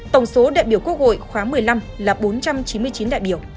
tổng số đại biểu quốc hội khóa một mươi năm là bốn trăm chín mươi chín đại biểu